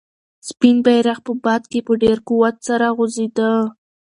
سپین بیرغ په باد کې په ډېر قوت سره غوځېده.